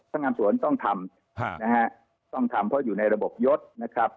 งานสวนต้องทำนะฮะต้องทำเพราะอยู่ในระบบยศนะครับ